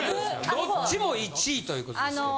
どっちも１位ということですけど。